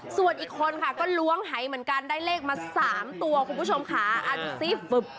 ส่วนอีกคนค่ะก็ล้วงหายเหมือนกันได้เลขมา๓ตัวคุณผู้ชมค่ะดูสิ